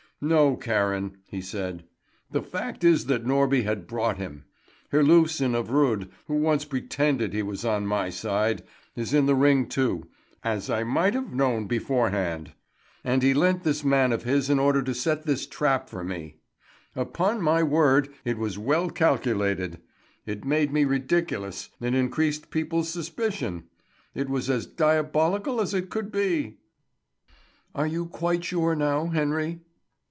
"No, Karen," he said; "the fact is that Norby had bought him. Herlufsen of Rud, who once pretended he was on my side, is in the ring too, as I might have known beforehand. And he lent this man of his in order to set this trap for me. Upon my word it was well calculated. It made me ridiculous, and increased people's suspicion. It was as diabolical as it could be!" "Are you quite sure now, Henry?"